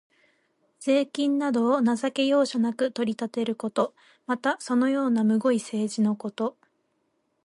税金などを情け容赦なく取り立てること。また、そのようなむごい政治のこと。